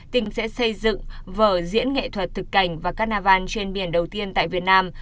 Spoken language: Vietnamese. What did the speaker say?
tỉnh sẽ xây dựng vở diễn nghệ thuật thực cảnh và carnival trên biển đầu tiên tại việt nam